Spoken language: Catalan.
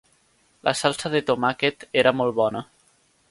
La salsa de tomàquet era molt bona.